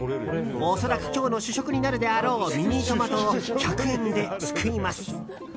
恐らく今日の主食になるであろうミニトマトを１００円ですくいます。